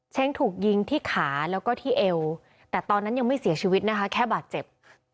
ถูกยิงที่ขาแล้วก็ที่เอวแต่ตอนนั้นยังไม่เสียชีวิตนะคะแค่บาดเจ็บ